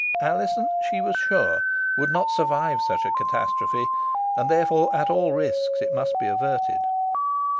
Alizon she was sure would not survive such a catastrophe, and therefore, at all risks, it must be averted.